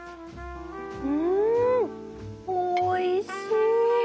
んおいしい！